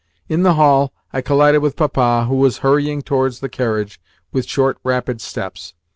In the hall, I collided with Papa, who was hurrying towards the carriage with short, rapid steps.